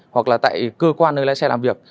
hoặc là tại cơ quan nơi lái xe làm việc